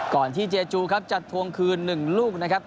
ก่อนที่เจจูครับจะทวงคืน๑ลูกนะครับ